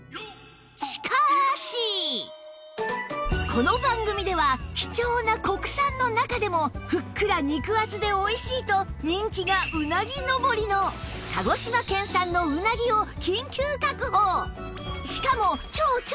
この番組では貴重な国産の中でもふっくら肉厚でおいしいと人気がうなぎ上りの鹿児島県産のうなぎを緊急確保！